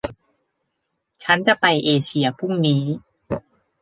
ฉันจะไปเอเชียพรุ่งนี้